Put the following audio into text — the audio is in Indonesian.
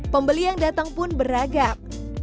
pembeli yang datang pun beragam